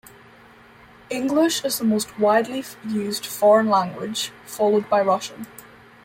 English is the most widely used foreign language followed by Russian.